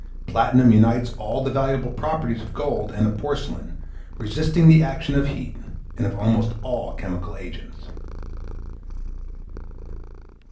Platinum unites all the valuable properties of gold and of porcelain, resisting the action of heat, and of almost all chemical agents.